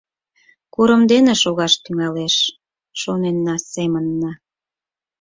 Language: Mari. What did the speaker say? Курым дене шогаш тӱҥалеш, шоненна семынна.